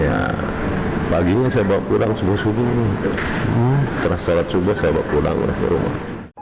ya paginya saya bawa pulang subuh subuh setelah sholat subuh saya bawa pulang ke rumah